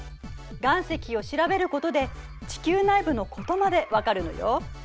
岩石を調べることで地球内部のことまで分かるのよ。